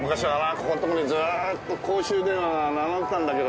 ここのところにずーっと公衆電話が並んでたんだけどな。